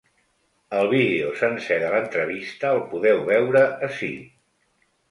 El vídeo sencer de l’entrevista, el podeu veure ací.